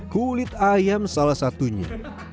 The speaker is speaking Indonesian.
kulit ayam salah satunya